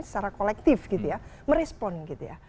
secara kolektif gitu ya merespon gitu ya